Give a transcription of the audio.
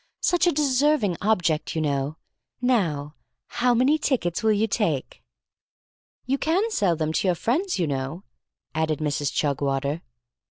Such a deserving object, you know. Now, how many tickets will you take?" "You can sell them to your friends, you know," added Mrs. Chugwater.